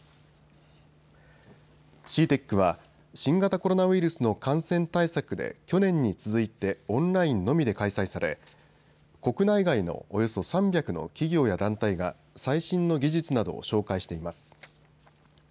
ＣＥＡＴＥＣは新型コロナウイルスの感染対策で去年に続いてオンラインのみで開催され国内外のおよそ３００の企業や団体が最新の技術などを紹介しています。